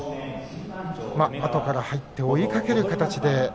あとから入って追いかける形で。